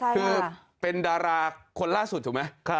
คือเป็นดาราคนล่าสุดถูกไหม